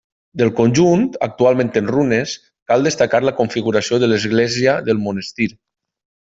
Del conjunt, actualment en runes, cal destacar la configuració de l'església del monestir.